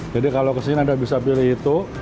jadi kalau kesini anda bisa pilih itu